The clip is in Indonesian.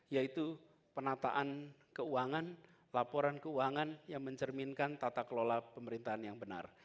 yaitu penataan keuangan laporan keuangan yang mencerminkan tata kelola pemerintahan yang benar